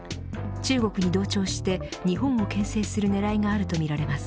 中国に同調して、日本をけん制する狙いがあるとみられます。